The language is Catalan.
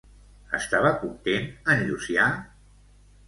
Estava content en Llucià?